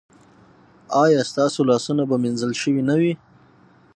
ایا ستاسو لاسونه به مینځل شوي نه وي؟